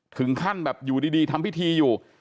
ถึงขั้นแบบอยู่ดีทำพิธีอยู่